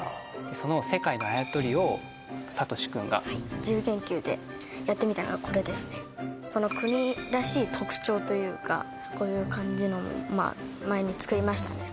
その世界のあやとりをサトシくんがはい自由研究でやってみたのがこれですねその国らしい特徴というかこういう感じのもまあ前に作りましたね